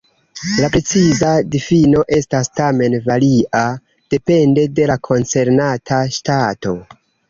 La preciza difino estas tamen varia, depende de la koncernata ŝtato.